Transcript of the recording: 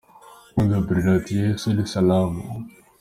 Mpundu Bruno ati "Yesu ni salama'.